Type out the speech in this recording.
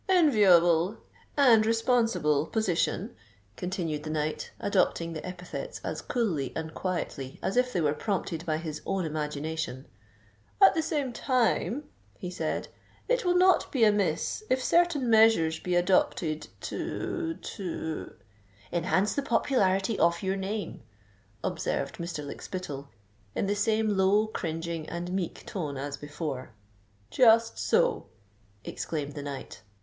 "Enviable and responsible position," continued the knight, adopting the epithets as coolly and quietly as if they were prompted by his own imagination;—"at the same time," he said, "it will not be amiss if certain measures be adopted to—to——" "Enhance the popularity of your name," observed Mr. Lykspittal, in the same low, cringing, and meek tone as before. "Just so," exclaimed the knight.